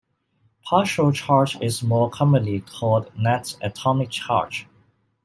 Partial charge is more commonly called net atomic charge.